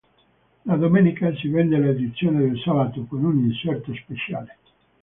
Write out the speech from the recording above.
La domenica si vende l'edizione del sabato con un inserto speciale.